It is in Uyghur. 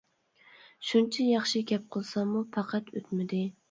شۇنچە ياخشى گەپ قىلساممۇ پەقەت ئۆتمىدى.